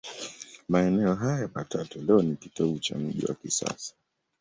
Maeneo hayo matatu leo ni kitovu cha mji wa kisasa.